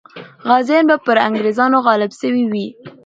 غازیان به پر انګریزانو غالب سوي وي.